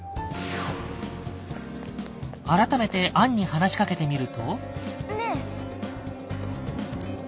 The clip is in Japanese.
改めて杏に話しかけてみると。